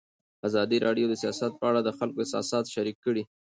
ازادي راډیو د سیاست په اړه د خلکو احساسات شریک کړي.